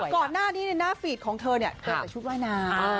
ก่อนหน้านี้เนี่ยหน้าฟีดของเธอเนี่ยเติบแต่ชุดว่ายนา